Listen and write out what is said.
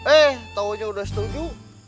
eh taunya sudah setuju